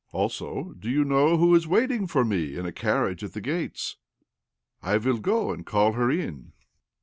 Also, do you know who is waiting for me in a carriage at the gates ? I will go and call her in."